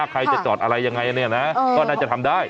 ค่ะใครจะจอดด้วยอะไรตัวนี้เนี่ยนะค่ะเราน่าจะทำได้